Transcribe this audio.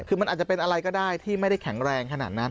คือมันอาจจะเป็นอะไรก็ได้ที่ไม่ได้แข็งแรงขนาดนั้น